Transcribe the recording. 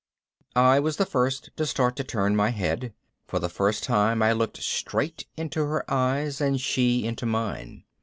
I was the first to start to turn my head. For the first time I looked straight into her eyes and she into mine.